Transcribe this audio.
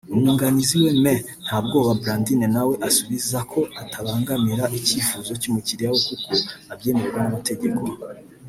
umwunganizi we Me Ntabwoba Brandine nawe asubiza ko atabangamira ikifuzo cy’umukiriya we kuko abyemererwa n’amategeko